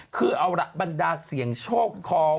คือเอาหลักบรรดาเสี่ยงโชคคล